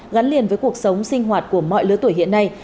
gắn liền với cuộc sống sinh hoạt của mọi lứa tuổi hiện nay